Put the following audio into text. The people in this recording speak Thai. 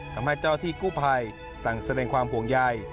ทำให้เจ้าที่กู้ภัยต่างแสดงความห่วงใย